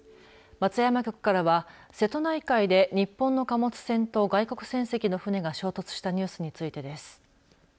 松山局からは瀬戸内海で日本の貨物船と外国船籍の船が衝突したニュースについてです。